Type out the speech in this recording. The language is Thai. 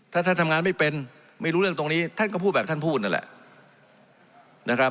ถ้าท่านทำงานไม่เป็นไม่รู้เรื่องตรงนี้ท่านก็พูดแบบท่านพูดนั่นแหละนะครับ